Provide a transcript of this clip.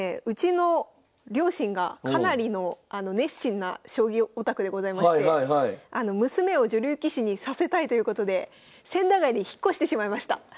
うちの両親がかなりの熱心な将棋オタクでございまして娘を女流棋士にさせたいということで千駄ヶ谷に引っ越してしまいました。